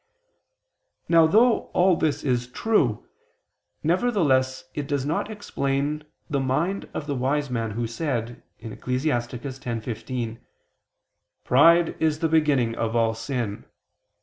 Now though all this is true, nevertheless it does not explain the mind of the wise man who said (Ecclus. 10:15): "Pride is the beginning of all sin."